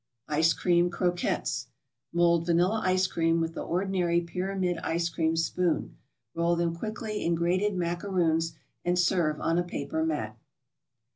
ICE CREAM CROQUETTES Mold vanilla ice cream with the ordinary pyramid ice cream spoon, roll them quickly in grated macaroons, and serve on a paper mat.